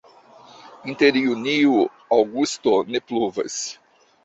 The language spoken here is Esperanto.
Inter junio-aŭgusto ne pluvas.